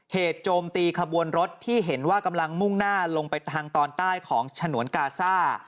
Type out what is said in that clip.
โจมตีขบวนรถที่เห็นว่ากำลังมุ่งหน้าลงไปทางตอนใต้ของฉนวนกาซ่า